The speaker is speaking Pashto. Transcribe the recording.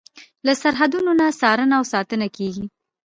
له سرحدونو نه څارنه او ساتنه کیږي.